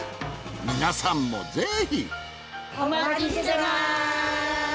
皆さんもぜひお待ちしてます！